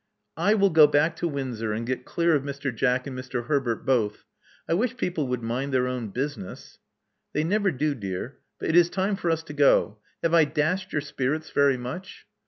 I will go back to Windsor, and get clear of Mr. Jack and Mr. Herbert both. I wish people would mind their own business." They never do, dear. But it is time for us to go. Have I dashed your spirits very much?"